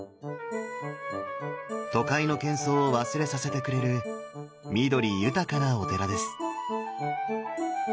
都会のけん騒を忘れさせてくれる緑豊かなお寺です。